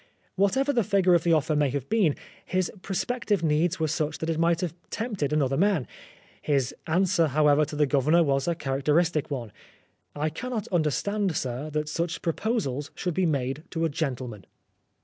Whatever the figure of the offer may have been, his prospective needs were such that it might have tempted an other man. His answer, however, to the 222 Oscar Wilde Governor was a characteristic one : "I can not understand, Sir r that such proposals should be made to a gentleman."